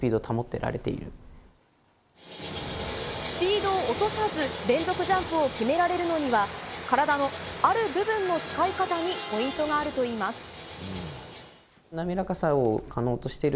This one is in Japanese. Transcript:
スピードを落とさず連続ジャンプを決められるのには体の、ある部分の使い方にポイントがあるといいます。